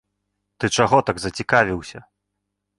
Ты чаго так зацікавіўся?